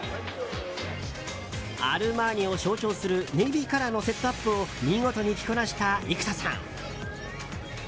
アルマーニを象徴するネイビーカラーのセットアップを見事に着こなした生田さん。